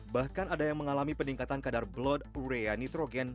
bahkan ada yang mengalami peningkatan kadar blood urea nitrogen